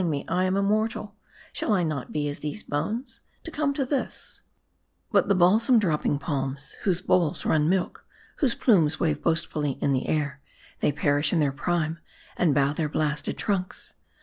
me I am immortal shall I not be as these bones ? To come to this ! But the balsam dropping palms, whose boles run milk, whose plumes wave boastful in the air, they perish in their prime, and bow their blasted trunks.